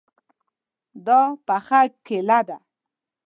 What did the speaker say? دا پخه کیله ده